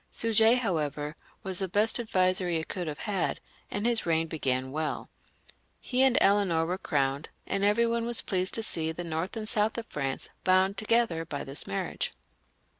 Suger, however, was the best adviser he could have had, and his reign began welL He and Eleanor were crowned, and every one was pleased to see the north and south of France bound together by this marriage.